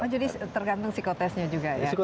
jadi tergantung psikotestnya juga ya